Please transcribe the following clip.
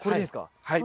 はい。